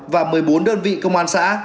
và một mươi bốn đơn vị công an xã